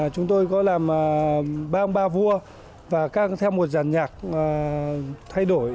chúng tôi có làm ba ông ba vua và các theo một giàn nhạc thay đổi